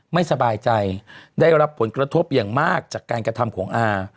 ไม่สบายใจได้รับผลกระทบอย่างมากจากการกระทำของอา